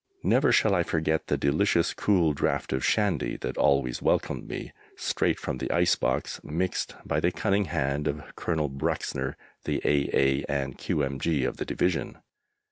Never shall I forget the delicious cool draught of shandy that always welcomed me, straight from the ice box, mixed by the cunning hand of Colonel Bruxner, the A.A. and Q.M.G. of the Division.